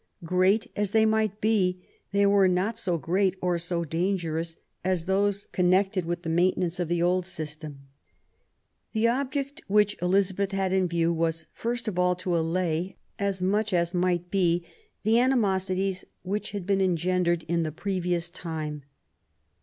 Great as they might be, they were not so great or so dangerous as those connected with the maintenance of the old system. The object which Elizabeth had in view was, first PROBLEMS OF THE REIGN. 49 of all, to allay, as much as might be, the animosities which had been engendered in the previous time.